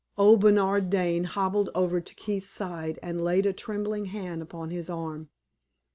Old Bernard Dane hobbled over to Keith's side and laid a trembling hand upon his arm.